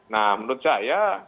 nah menurut saya